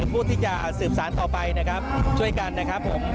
พวกที่จะซืบสารต่อไปช่วยกัน